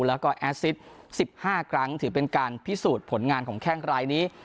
แล้วก็แอสซิส๑๕ครั้งถือเป็นการพิสูจน์ผลงานของแข้งรายนี้